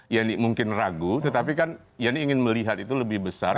yeni mungkin ragu tetapi kan yeni ingin melihat itu lebih besar